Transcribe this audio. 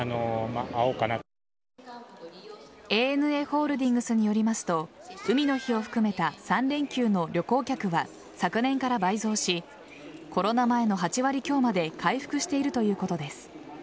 ＡＮＡホールディングスによりますと海の日を含めた３連休の旅行客は昨年から倍増しコロナ前の８割強まで回復しているということです。